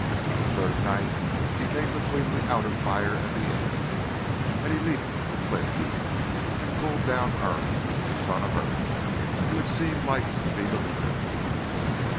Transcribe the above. The third night he came between the outer fire and the inner, and he leapt the flint heap, and pulled down Irm the son of Irk, who had seemed like to be the leader.